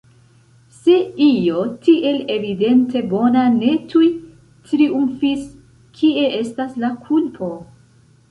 Se io tiel evidente bona ne tuj triumfis, kie estas la kulpo?